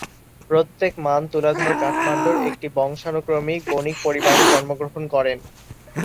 প্রত্যেক মান তুলাধর কাঠমান্ডুর একটি বংশানুক্রমিক বণিক পরিবারে জন্মগ্রহণ করেন।